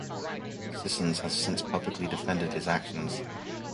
Sissons has since publicly defended his actions.